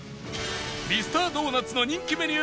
ミスタードーナツの人気メニュー